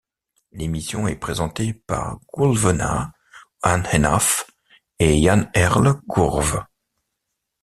L'émission est présentée par Goulwena an Henaff et Yann-Herle Gourves.